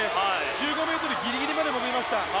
１５ｍギリギリまで潜りました。